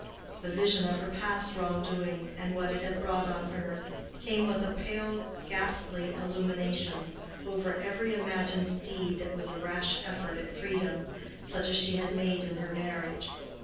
The vision of her past wrong doing, and what it had brought on her, came with a pale ghastly illumination over every imagined deed that was a rash effort at freedom, such as she had made in her marriage.